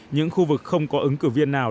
những khu vực không có ứng cử viên nào